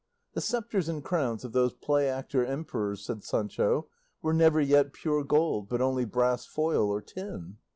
"The sceptres and crowns of those play actor emperors," said Sancho, "were never yet pure gold, but only brass foil or tin."